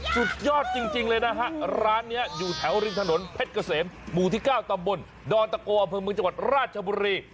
สุดยอดจริงเลยนะฮะร้านนี้อยู่แถวริมถนนเพชรเกษมหมู่ที่๙ตำบลดอนตะโกอำเภอเมืองจังหวัดราชบุรี